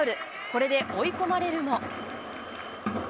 これで追い込まれるも。